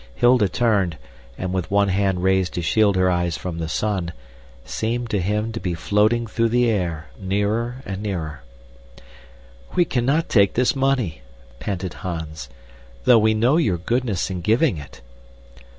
Hilda turned and, with one hand raised to shield her eyes from the sun, seemed to him to be floating through the air, nearer and nearer. "We cannot take this money," panted Hans, "though we know your goodness in giving it."